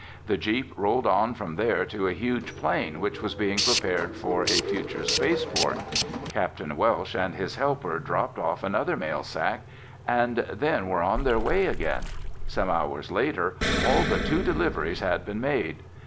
The jeep rolled on from there to a huge plain which was being prepared for a future spaceport. Capt. Welsh and his helper dropped off another mail sack and then were on their way again. Some hours later, all but two deliveries had been made.